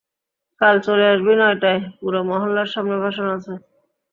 কাল চলে আসবি নয়টায়, পুরো মহল্লার সামনে ভাষণ আছে।